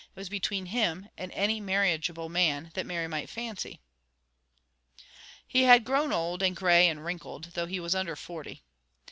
It was between him, and any marriageable man that Mary might fancy. He had grown old, and gray, and wrinkled, though he was under forty.